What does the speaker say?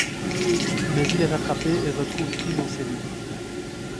Mais il est rattrapé et retrouve Kim en cellule.